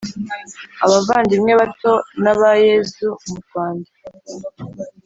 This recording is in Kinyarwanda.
Abavandimwe bato naba Yezu mu Rwanda .